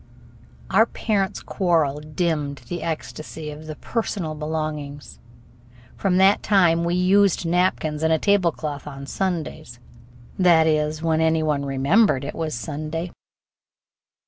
Our parents' quarrel dimmed the ecstasy of the "personal belongings." From that time we used napkins and a table cloth on Sundays that is, when any one remembered it was Sunday.